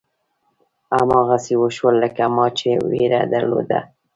هماغسې وشول لکه ما چې وېره درلوده.